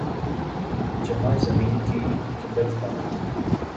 جہاں زمین کی قلت ہے۔